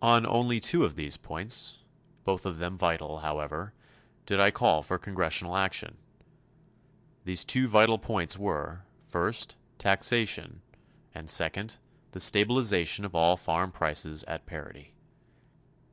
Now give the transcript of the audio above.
On only two of these points both of them vital however did I call for Congressional action. These two vital points were: First, taxation; and, second, the stabilization of all farm prices at parity.